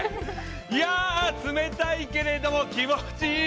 いや冷たいけれど、気持ちいい。